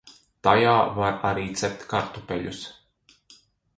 Tajā var arī cept kartupeļus.